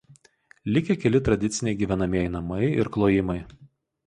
Likę keli tradiciniai gyvenamieji namai ir klojimai.